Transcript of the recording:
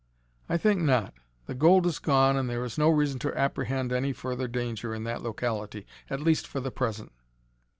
"I think not. The gold is gone and there is no reason to apprehend any further danger in that locality, at least for the present."